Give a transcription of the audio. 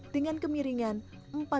dengan kemiringan empat jalan ke depan